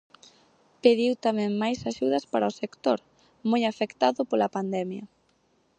Pediu tamén máis axudas para o sector, moi afectado pola pandemia.